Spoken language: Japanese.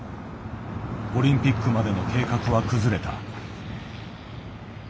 オリンピックまでの計画は崩れた。